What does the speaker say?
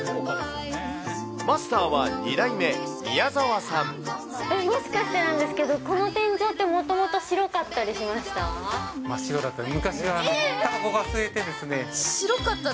えっ、もしかしてなんですけど、この天井ってもともと白かったりしました？